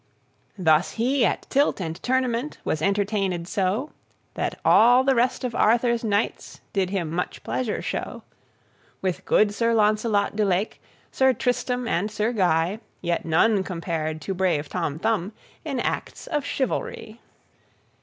Thus he at tilt and tournament Was entertained so, That all the rest of Arthur's knights Did him much pleasure show. With good Sir Launcelot du Lake, Sir Tristram and Sir Guy, Yet none compared to brave Tom Thumb In acts of chivalry.